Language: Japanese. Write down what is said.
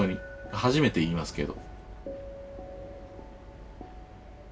初めて言いますけど。